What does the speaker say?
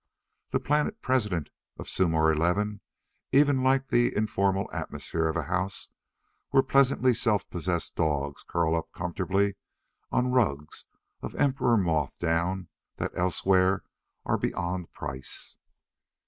The Planet President of Sumor XI even liked the informal atmosphere of a house where pleasantly self possessed dogs curl up comfortably on rugs of emperor moth down that elsewhere are beyond price.